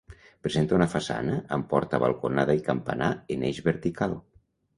Presenta una façana, amb porta, balconada i campanar en eix vertical.